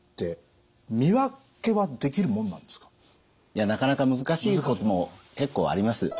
いやなかなか難しいことも結構あります。